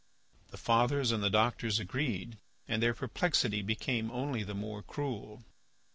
The fathers and the doctors agreed, and their perplexity became only the more cruel.